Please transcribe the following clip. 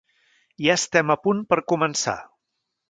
Ja estem a punt per començar.